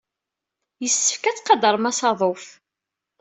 Yessefk ad tqadrem asaḍuf.